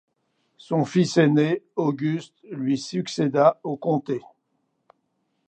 Son fils aîné, Auguste, lui succéda au comté.